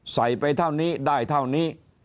ไปเท่านี้ได้เท่านี้